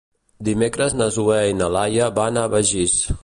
Dimecres na Zoè i na Laia van a Begís.